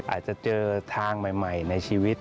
อาจจะเจอทางใหม่ในชีวิต